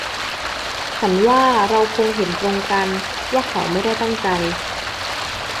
ฉันว่าเราคงเห็นตรงกันว่าเขาไม่ได้ตั้งใจ